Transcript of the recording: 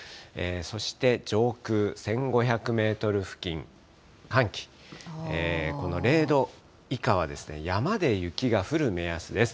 そして、上空１５００メートル付近、寒気、この０度以下は山で雪が降る目安です。